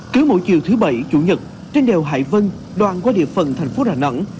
cứ mỗi chiều thứ bảy chủ nhật trên đèo hải vân đoàn qua địa phận thành phố đà nẵng